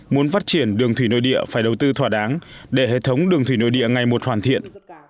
muốn phát triển đường thủy nội địa phải đầu tư thỏa đáng để hệ thống đường thủy nội địa ngày một hoàn thiện